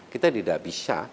kita tidak bisa